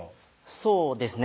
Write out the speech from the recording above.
そうですね